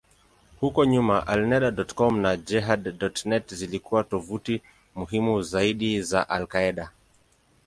Huko nyuma, Alneda.com na Jehad.net zilikuwa tovuti muhimu zaidi za al-Qaeda.